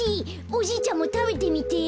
おじいちゃんもたべてみて。